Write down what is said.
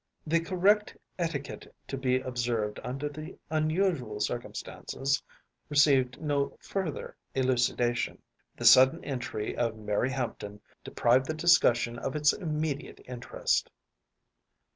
The correct etiquette to be observed under the unusual circumstances received no further elucidation. The sudden entry of Mary Hampton deprived the discussion of its immediate interest.